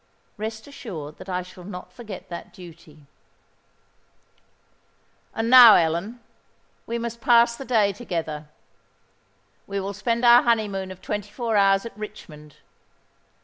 "Rest assured that I shall not forget that duty." "And now, Ellen, we must pass the day together. We will spend our honeymoon of twenty four hours at Richmond.